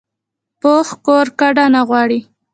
پوخ کور کډه نه غواړي